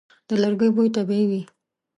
د لرګي بوی طبیعي وي.